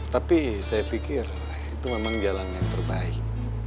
tapi saya pikir itu memang jalan yang terbaik